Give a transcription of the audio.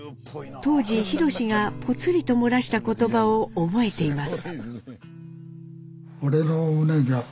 当時宏がポツリと漏らした言葉を覚えています。